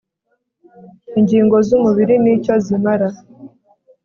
ingingo z umubiri n icyo zimara